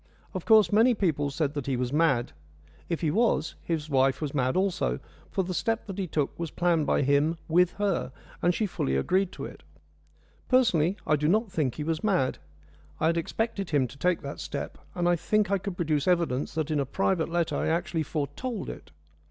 Of course, many people said that he was mad. If he was, his wife was mad also, for the step that he took was planned by him with her, and she fully agreed to it. Personally, I do not think he was mad. I had expected him to take that step, and I think I could produce evidence that in a private letter I actually foretold it.